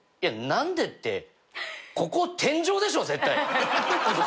何でってここ天井でしょ絶対。